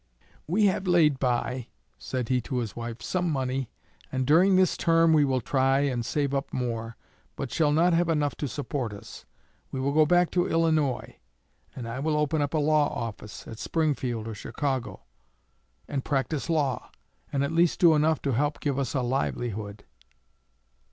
'We have laid by,' said he to his wife, 'some money, and during this term we will try and save up more, but shall not have enough to support us. We will go back to Illinois, and I will open a law office at Springfield or Chicago, and practise law, and at least do enough to help give us a livelihood.'